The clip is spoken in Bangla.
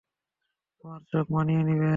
তোমার চোখ মানিয়ে নিবে।